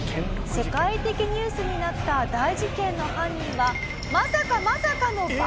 世界的ニュースになった大事件の犯人はまさかまさかのバンビさん！？